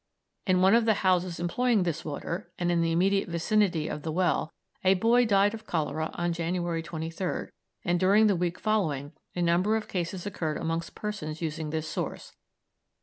In one of the houses employing this water, and in the immediate vicinity of the well, a boy died of cholera on January 23rd, and during the week following a number of cases occurred amongst persons using this source.